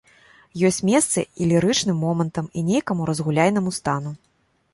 Ёсць месца і лірычным момантам і нейкаму разгуляйнаму стану.